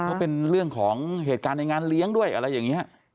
ก็เป็นเรื่องของเหตุการณ์ในงานเลี้ยงด้วยอะไรอย่างนี้